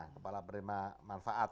kepala perempuan manfaat